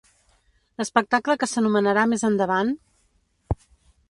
L'espectacle que s'anomenarà més endavant...